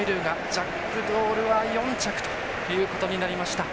ジャックドールは４着ということになりました。